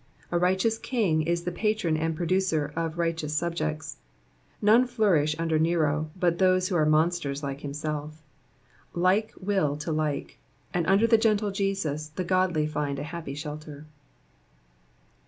A righteous king is the patron and producer of righteous subjects. None flourish under Nero but those who are monsters like himself : like will to like ; and under the gentle Jesus the godly find a happy shelter.